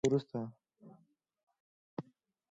دوی د اکاډمۍ له جوړېدو درې څلور کاله وروسته